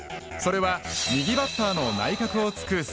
それは右バッターの内角を突く